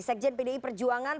sekjen pdi perjuangan